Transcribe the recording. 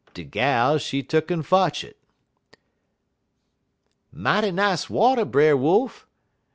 De gal, she tuck'n fotch it. "'Mighty nice water, Brer Wolf.'